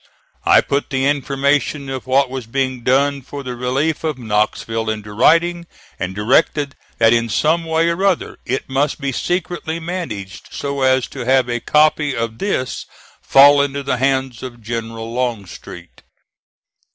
I put the information of what was being done for the relief of Knoxville into writing, and directed that in some way or other it must be secretly managed so as to have a copy of this fall into the hands of General Longstreet.